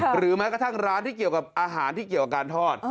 หรือแม้กระทั่งร้านที่เกี่ยวกับอาหารที่เกี่ยวกับการทอด